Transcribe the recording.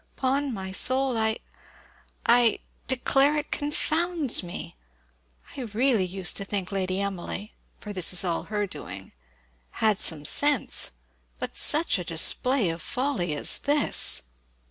'Pon my soul, I I declare it confounds me! I really used to think Lady Emily (for this is all her doing) had some sense but such a display of folly as this!"